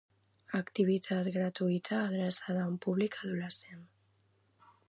Activitat gratuïta adreçada a un públic adolescent.